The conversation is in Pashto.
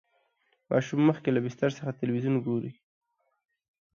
ماشوم مخکې له بستر څخه تلویزیون ګوري.